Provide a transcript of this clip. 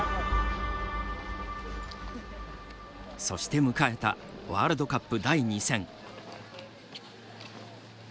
そして迎えたワールドカップ第２戦。